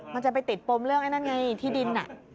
มันจะไปติดปมเรื่องไอ้นั่นไงที่ดิน